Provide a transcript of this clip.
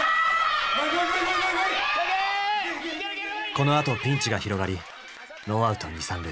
このあとピンチが広がりノーアウト２３塁。